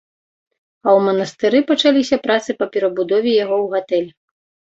А ў манастыры пачаліся працы па перабудове яго ў гатэль.